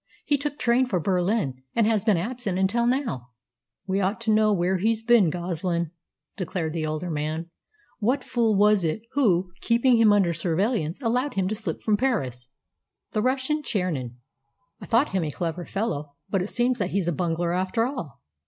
He took train for Berlin, and has been absent until now." "We ought to know where he's been, Goslin," declared the elder man. "What fool was it who, keeping him under surveillance, allowed him to slip from Paris?" "The Russian Tchernine." "I thought him a clever fellow, but it seems that he's a bungler after all."